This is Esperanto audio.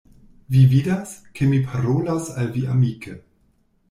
Vi vidas, ke mi parolas al vi amike.